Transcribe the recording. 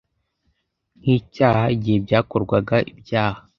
nk icyaha igihe byakorwaga Ibyaha